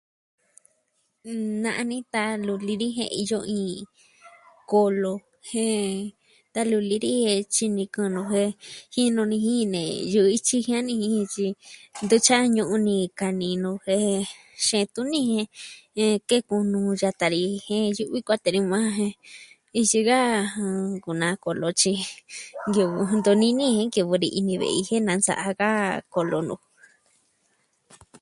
Na'a ni ta luli ni jen iyo iin kolo jen ta luli ni tyi niku nu jen... jinu ni jin nee yu'u ityi jiani ni ntu tya'a ñu'un ni kaa ni nuu jen xeen tuni jen iin teku nuuu yata lii jen yu'vi kuatee ni maa jen ityi ka, jɨn, kunaa kolo tyi nkivɨ jen ntu nini jen nkivɨ ni ini ve'i je nansa'a ja kolo nu.